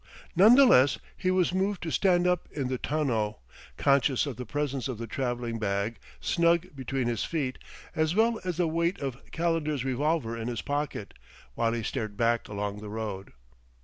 None the less he was moved to stand up in the tonneau, conscious of the presence of the traveling bag, snug between his feet, as well as of the weight of Calendar's revolver in his pocket, while he stared back along the road.